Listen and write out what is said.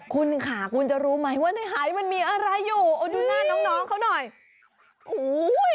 คุณค่ะคุณจะรู้ไหมว่าในหายมันมีอะไรอยู่